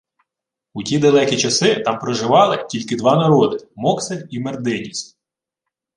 У ті далекі часи там проживали «тільки два народи: Моксель і Мердиніс»